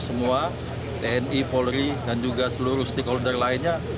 semua tni polri dan juga seluruh stakeholder lainnya